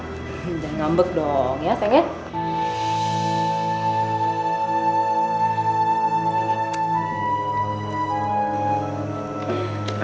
jangan ngambek dong ya sayang ya